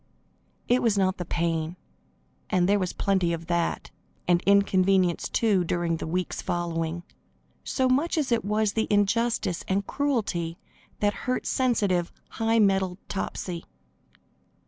It was not the pain and there was plenty of that, and inconvenience, too, during the weeks following so much as it was the injustice and cruelty that hurt sensitive, high mettled Topsy.